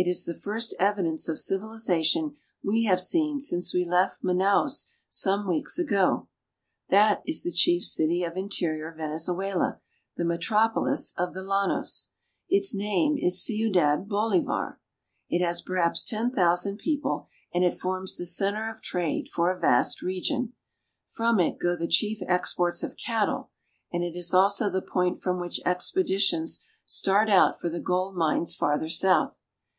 It is the first evidence of civilization we have seen since we left Manaos some weeks ago. That is the chief city of interior Venezuela, the metropolis of Group of Natives. the llanos. Its name is Ciudad Bolivar (se u dad' bo le' var). It has perhaps ten thousand people, and it forms the center of trade for a vast region. From it go the chief exports of cattle, and it is also the point from which expeditions start out for the gold mines farther south.